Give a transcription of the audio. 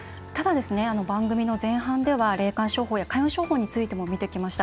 番組の前半では霊感商法や開運商法についても見てきました。